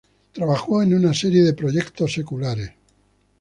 Trabajó en una serie de proyectos seculares.